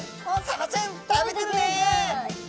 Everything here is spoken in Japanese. サバちゃん食べてるね。